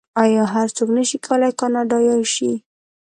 آیا هر څوک نشي کولی کاناډایی شي؟